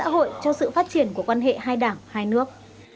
hội cho sự phát triển của quan hệ hai đảng hai nước